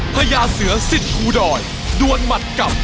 พยาเสือสินคูดอยดวนหมัดกลับ